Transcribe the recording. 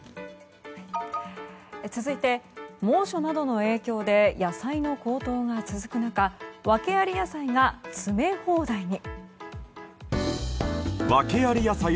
続いて、猛暑などの影響で野菜の高騰が続く中訳あり野菜が詰め放題に。